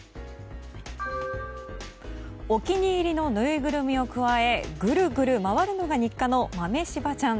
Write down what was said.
お気に入りのぬいぐるみをくわえぐるぐる回るのが日課の豆しばちゃん。